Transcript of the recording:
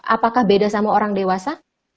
apakah beda sama orang dewasa